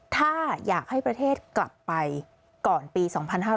ถ้าอยากให้ประเทศกลับไปก่อนปี๒๕๕๙